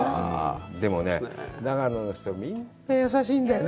でもね、長野の人、みんな、優しいんだよね。